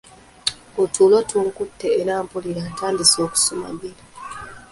Otulo tunkutte era mpulira ntandise okusumagira.